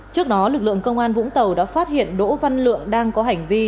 trước đó lực lượng công an vũng tàu đã phát hiện đỗ văn lượng đang có hành vi